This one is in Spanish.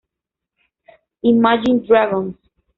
Imagine Dragons